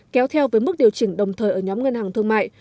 kéo theo với mức điều chỉnh đồng thời ở nhóm ngân hàng thương mại